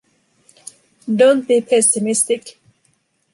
Don’t be pessimistic!